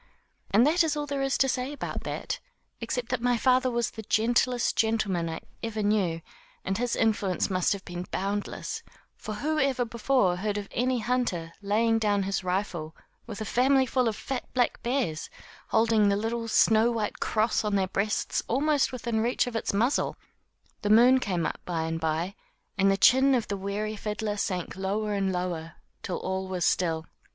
And that is all there is to say about that, except that my father was the gentlest gentleman I ever knew and his influence must have been boundless; for who ever before heard of any 124 THROUGH FAIRY HALLS hunter laying down his rifle with a family of fat black bears holding the little snow white cross on their breasts almost within reach of its muzzle. The moon came up by and by, and the chin of the weary fiddler sank lower and lower, till all was still.